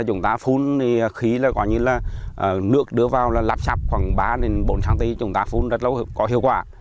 chúng ta phun khí là gọi như là nước đưa vào là lắp sạp khoảng ba bốn cm chúng ta phun rất là có hiệu quả